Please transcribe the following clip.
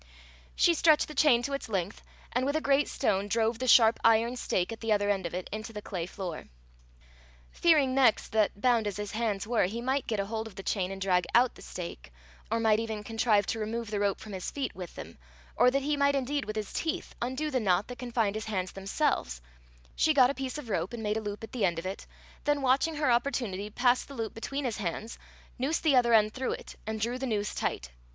She stretched the chain to its length, and with a great stone drove the sharp iron stake at the other end of it, into the clay floor. Fearing next that, bound as his hands were, he might get a hold of the chain and drag out the stake, or might even contrive to remove the rope from his feet with them, or that he might indeed with his teeth undo the knot that confined his hands themselves she got a piece of rope, and made a loop at the end of it, then watching her opportunity passed the loop between his hands, noosed the other end through it, and drew the noose tight.